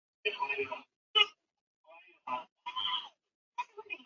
他的名字引用自回溯法。